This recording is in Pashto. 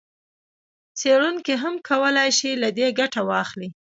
څېړونکي هم کولای شي له دې ګټه واخلي.